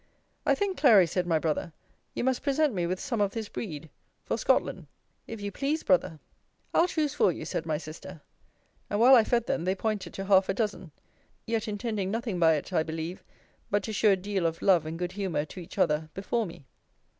I think, Clary, said my brother, you must present me with some of this breed, for Scotland. If you please, Brother. I'll choose for you, said my sister. And while I fed them, they pointed to half a dozen: yet intending nothing by it, I believe, but to shew a deal of love and good humour to each other before me.